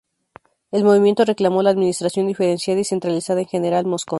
El movimiento reclamó la administración diferenciada y centralizada en General Mosconi.